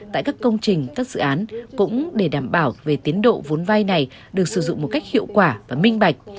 tại các công trình các dự án cũng để đảm bảo về tiến độ vốn vay này được sử dụng một cách hiệu quả và minh bạch